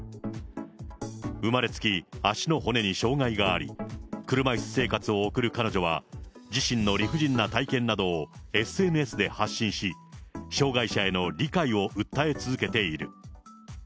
生まれつき足の骨に障害があり、車いす生活を送る彼女は、自身の理不尽な体験などをＳＮＳで発信し、障害者への理解を訴え続けている。